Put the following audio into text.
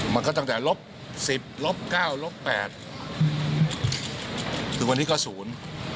มันก็ตั้งแต่ลบสิบลบเก้าลบแปดถึงวันนี้ก็ศูนย์